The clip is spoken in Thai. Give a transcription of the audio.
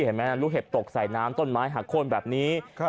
เห็นไหมลูกเห็บตกใส่น้ำต้นไม้หักโค้นแบบนี้